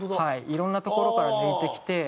いろんなところから抜いてきて。